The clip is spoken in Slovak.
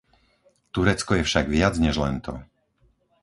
Turecko je však viac než len to.